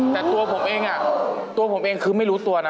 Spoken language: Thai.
แต่ตัวผมเองตัวผมเองคือไม่รู้ตัวนะ